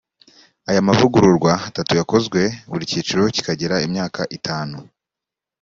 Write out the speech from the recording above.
Ayo mavugururwa atatu yakozwe buri cyiciro kikagira imyaka itanu